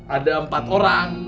ada empat orang